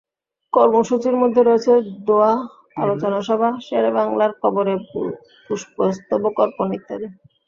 কর্মসূচির মধ্যে রয়েছে দোয়া, আলোচনা সভা, শেরেবাংলার কবরে পুষ্পস্তবক অর্পণ ইত্যাদি।